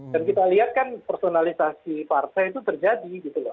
dan kita lihat kan personalisasi partai itu terjadi gitu loh